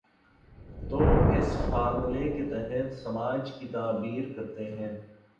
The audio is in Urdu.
تو وہ اس فارمولے کے تحت سماج کی تعبیر کرتے ہیں۔